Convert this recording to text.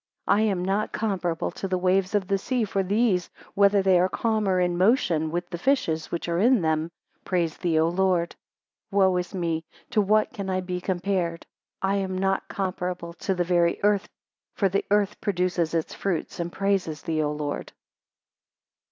6 I am not comparable to the waves of the sea; for these, whether they are calm, or in motion, with the fishes which are in them, praise thee, O Lord! Wo is me to what can I be compared? 7 I am not comparable to the very earth, for the earth produces its fruits, and praises thee, O Lord!